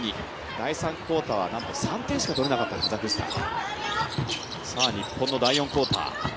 第３クオーターはなんと３点しか取れなかったカザフスタン。